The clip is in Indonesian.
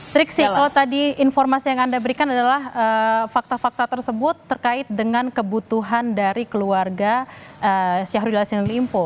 triksi kalau tadi informasi yang anda berikan adalah fakta fakta tersebut terkait dengan kebutuhan dari keluarga syahrul yassin limpo